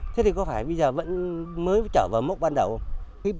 thế thì có phải bây giờ mới chở vào mốc ban đầu không